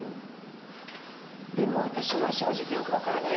でもわたしには正直よく分からないなあ。